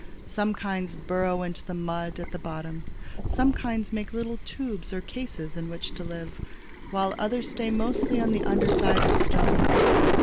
Some kinds burrow into the mud at the bottom, some kinds make little tubes or cases in which to live, while others stay mostly on the under side of stones.